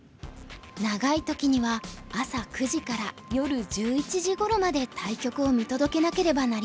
長い時には朝９時から夜１１時ごろまで対局を見届けなければなりません。